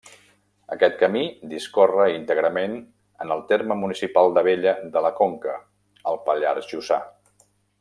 Aquest camí discorre íntegrament en el terme municipal d'Abella de la Conca, al Pallars Jussà.